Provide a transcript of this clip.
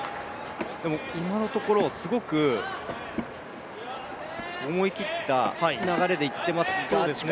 でも、今のところすごく思い切った流れでいっています。